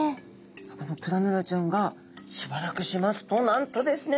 さあこのプラヌラちゃんがしばらくしますとなんとですね。